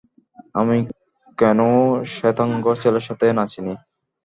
আমি কোনো শ্বেতাঙ্গ ছেলের সাথে নাচিনি।